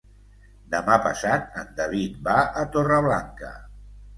Demà passat en David va a Torreblanca.